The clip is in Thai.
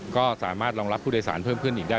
ก็สามารถรองรับผู้โดยสารเพิ่มขึ้นอีกได้